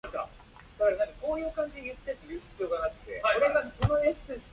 我々の個人的自己に迫るもの、我々の魂を奪うものといったのは、これによるのである。